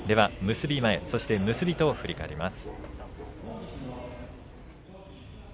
結び前そして結びと振り返ります。